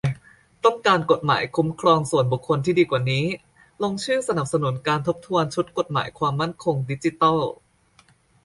ต้องการกฎหมายคุ้มครองส่วนบุคคลที่ดีกว่านี้ ? ลงชื่อสนับสนุนการทบทวนชุดกฎหมายความมั่นคงดิจิทัล